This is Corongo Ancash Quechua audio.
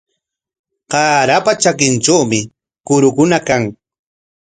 Qaarapa trakintrawmi kurukuna kan.